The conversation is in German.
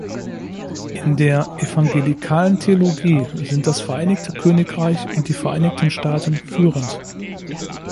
In der evangelikalen Theologie sind das Vereinigte Königreich und die Vereinigten Staaten führend.